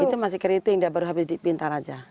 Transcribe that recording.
itu masih keriting dia baru habis pintar aja